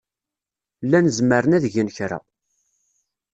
Llan zemren ad gen kra.